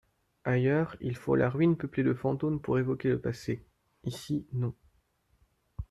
Ailleurs, il faut la ruine peuplée de fantômes pour évoquer le passé ; ici, non.